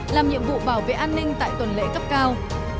làm nhiệm vụ bảo vệ an ninh tại tuần lễ cấp cao